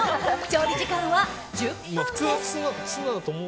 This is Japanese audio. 調理時間は１０分です。